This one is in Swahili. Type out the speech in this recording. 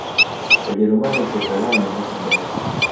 wajerumani soka lao ni pasi ndefu